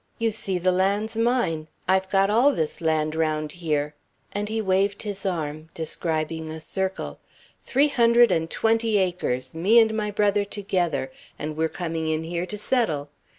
You see the land's mine. I've got all this land round here;" and he waved his arm, describing a circle; "three hundred and twenty acres, me and my brother together, and we're coming in here to settle.